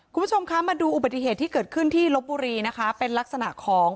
คุณผู้ชมคะมาดูอุบัติเหตุที่เกิดขึ้นที่ลบบุรีนะคะเป็นลักษณะของ